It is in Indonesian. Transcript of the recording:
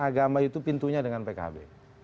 agama itu pintunya dengan pkb